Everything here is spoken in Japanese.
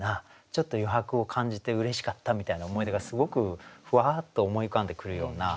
ちょっと余白を感じてうれしかったみたいな思い出がすごくふわっと思い浮かんでくるような。